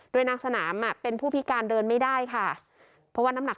โดยนางสนามเป็นผู้พิการเดินไม่ได้ค่ะเพราะว่าน้ำหนัก